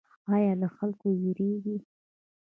ایا له خلکو ویریږئ؟